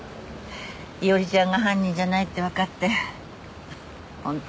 伊織ちゃんが犯人じゃないって分かってホントよかった。